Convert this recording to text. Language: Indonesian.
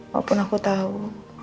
walaupun aku tahu